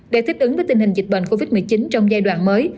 để thích ứng với tình hình dịch bệnh covid một mươi chín trong giai đoạn mới